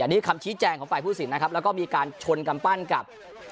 นี่คำชี้แจงของฝ่ายผู้สินนะครับแล้วก็มีการชนกำปั้นกับ